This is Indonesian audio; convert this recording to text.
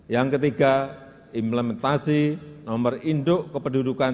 yang ketiga implementasi nomor induk kependudukan